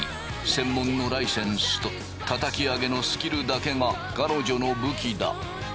専門のライセンスとたたき上げのスキルだけが彼女の武器だ。